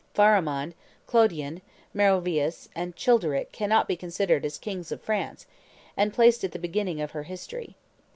Pharamond, Clodion, Meroveus, and Childeric cannot be considered as Kings of France, and placed at the beginning of her history.